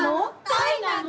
たいなの？